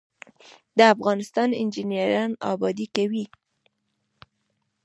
د افغانستان انجنیران ابادي کوي